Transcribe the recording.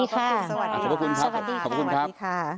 ขอบคุณครับสวัสดีครับ